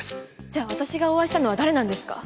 じゃあ私がお会いしたのは誰なんですか？